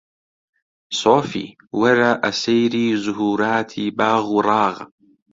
سۆفی! وەرە ئەسەیری زوهووراتی باغ و ڕاغ